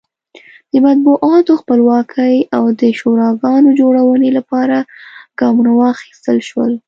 د مطبوعاتو خپلواکۍ او د شوراګانو جوړونې لپاره ګامونه واخیستل شول.